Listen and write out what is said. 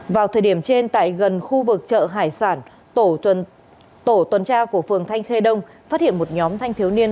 vào thời điểm trên tại gần khu vực chợ hải sản tổ tuần tra của phường thanh khê đông phát hiện một nhóm thanh thiếu niên